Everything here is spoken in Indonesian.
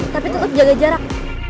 tapi tetep jaga jarak